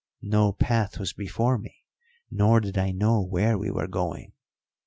No path was before me, nor did I know where we were going.